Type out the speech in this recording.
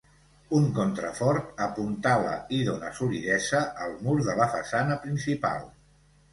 Un contrafort apuntala i dóna solidesa al mur de la façana principal.